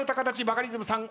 バカリズムさん